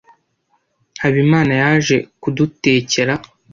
Habimana yaje kudutekera.